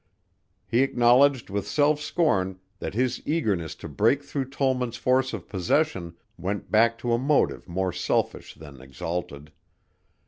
He acknowledged with self scorn that his eagerness to break through Tollman's force of possession went back to a motive more selfish than exalted.